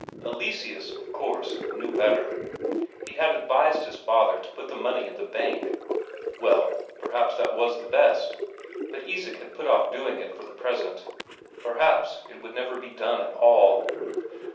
Eleseus, of course, knew better; he had advised his father to put the money in the Bank. Well, perhaps that was the best, but Isak had put off doing it for the present perhaps it would never be done at all.